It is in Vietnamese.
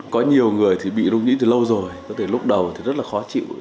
có nhiều người thì bị rung nhĩ từ lâu rồi có thể lúc đầu thì rất là khó chịu